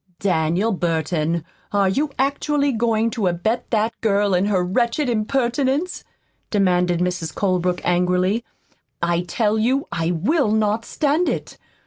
"Daniel Burton, are you actually going to abet that girl in her wretched impertinence?" demanded Mrs. Colebrook angrily. "I tell you I will not stand it!